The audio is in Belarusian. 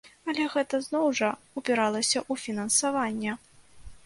Але гэта, зноў жа, упіралася ў фінансаванне.